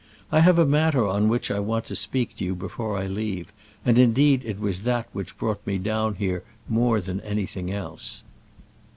I have a matter on which I want to speak to you before I leave; and, indeed, it was that which brought me down more than anything else."